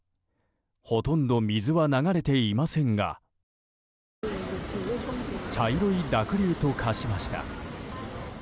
ほとんど水は流れていませんが茶色い濁流と化しました。